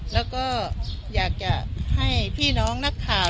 แล้วก็อยากจะให้พี่น้องนักข่าว